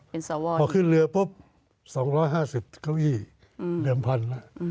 ทีนี้จะเข้ารูป๒๕๐เค้าอี้เดิมพันแล้ว